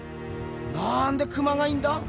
なんでクマがいんだ？